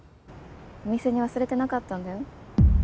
お店に忘れてなかったんだよ。